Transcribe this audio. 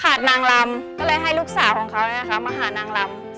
นางลำก็เลยให้ลูกสาวของเขามาหานางลำ